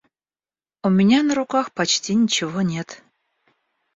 У меня на руках почти ничего нет.